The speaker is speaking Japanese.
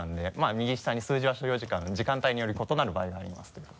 右下に「数字は所要時間時間帯により異なる場合があります」というのが。